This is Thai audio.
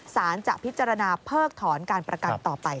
สารจะพิจารณาเพิกถอนการประกันต่อไป